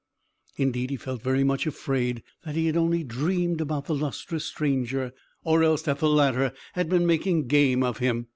Indeed, he felt very much afraid that he had only dreamed about the lustrous stranger, or else that the latter had been making game of him.